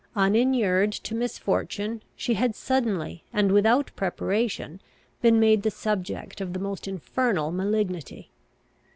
Uninured to misfortune, she had suddenly and without preparation been made the subject of the most infernal malignity.